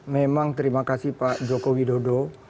memang terima kasih pak jokowi dodo